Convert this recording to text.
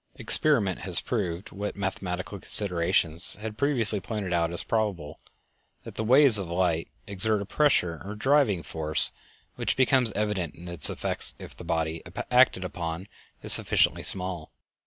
Experiment has proved, what mathematical considerations had previously pointed out as probable, that the waves of light exert a pressure or driving force, which becomes evident in its effects if the body acted upon is sufficiently small.